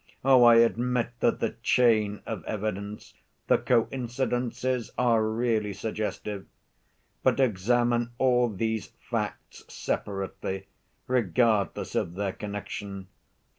Oh, I admit that the chain of evidence—the coincidences—are really suggestive. But examine all these facts separately, regardless of their connection.